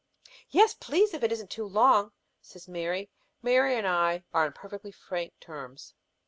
"Yes, please, if it isn't too long," says Mary. Mary and I are on perfectly frank terms.